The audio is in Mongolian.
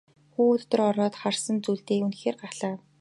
Хүү дотор ороод харсан зүйлдээ үнэхээр гайхлаа.